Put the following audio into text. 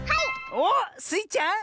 おっスイちゃん。